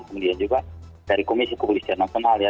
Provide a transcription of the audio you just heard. kemudian juga dari komisi kepolisian nasional ya